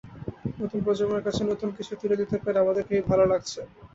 নতুন প্রজন্মের কাছে নতুন কিছু তুলে দিতে পেরে আমাদের খুবই ভালো লাগছে।